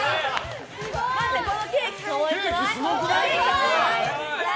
待ってこのケーキ可愛くない？